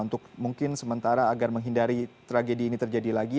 untuk mungkin sementara agar menghindari tragedi ini terjadi lagi